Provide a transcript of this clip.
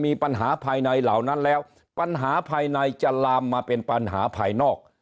มีปัญหาภายในเหล่านั้นแล้วปัญหาภายในจะลามมาเป็นปัญหาภายนอก